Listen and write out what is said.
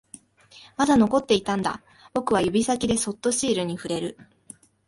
まだ残っていたんだ、僕は指先でそっとシールに触れる